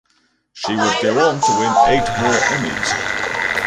She would go on to win eight more Emmys.